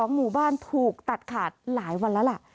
หมู่บ้านถูกตัดขาดหลายวันแล้วล่ะ